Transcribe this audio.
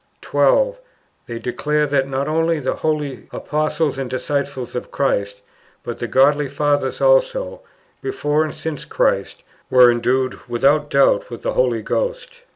12. They declare that, not only the holy Apostles and disciples of Christ, but the godly Fathers also, before and since Christ, were endued without doubt with the Holy Ghost.